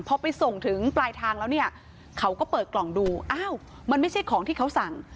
พอไปส่งถึงปลายทางแล้วเนี่ยเขาก็เปิดกล่องดูอ้าวมันไม่ใช่ของที่เขาสั่ง